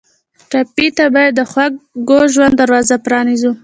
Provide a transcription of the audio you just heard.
ټپي ته باید د خوږ ژوند دروازه پرانیزو.